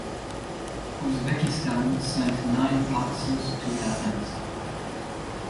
Uzbekistan sent nine boxers to Athens.